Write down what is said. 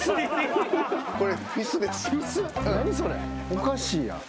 おかしいやん。